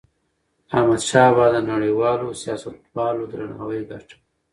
احمدشاه بابا د نړیوالو سیاستوالو درناوی ګاټه.